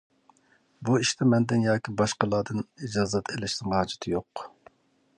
بۇ ئىشتا مەندىن ياكى باشقىلاردىن ئىجازەت ئېلىشنىڭ ھاجىتى يوق.